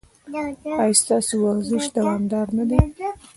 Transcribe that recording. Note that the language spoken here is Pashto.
ایا ستاسو ورزش دوامدار نه دی؟